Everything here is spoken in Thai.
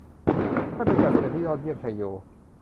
นั่นเป็นการแสดงที่ยอดเยี่ยม ! ไชโย !